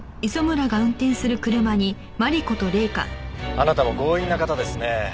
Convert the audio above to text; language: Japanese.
あなたも強引な方ですねえ。